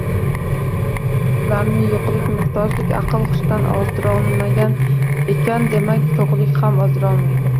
– Bularni yo‘qlik, muhtojlik aql-hushdan ozdirolmagan ekan, demak, to‘qlik ham ozdirolmaydi.